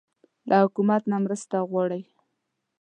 له حکومت نه مرسته غواړئ؟